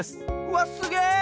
わっすげえ！